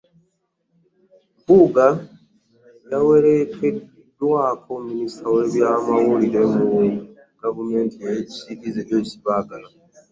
Mpuuga yawerekeddwako minisita w'ebyamawulire mu gavumenti ey'ekisiikirize, Joyce Baagala.